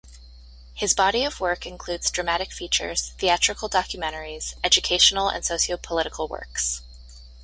His body of work includes dramatic features, theatrical documentaries, educational and socio-political works.